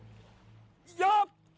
よっ！